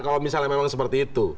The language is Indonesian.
kalau misalnya memang seperti itu